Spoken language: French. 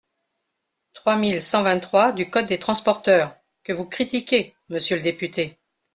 trois mille cent vingt-trois du code des transports, que vous critiquez, monsieur le député.